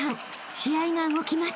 試合が動きます］